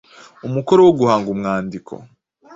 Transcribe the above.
Umukoro wo guhanga umwandiko